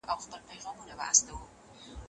د نورو حقونه مه خورئ.